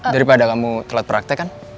daripada kamu telat praktek kan